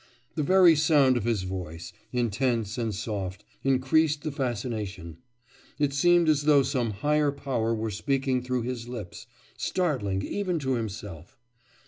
The very sound of his voice, intense and soft, increased the fascination; it seemed as though some higher power were speaking through his lips, startling even to himself....